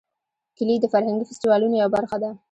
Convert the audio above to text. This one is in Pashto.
کلي د فرهنګي فستیوالونو یوه برخه ده.